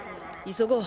急ごう。